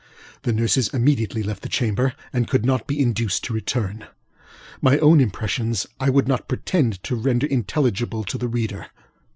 The nurses immediately left the chamber, and could not be induced to return. My own impressions I would not pretend to render intelligible to the reader.